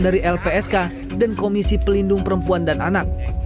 dari lpsk dan komisi pelindung perempuan dan anak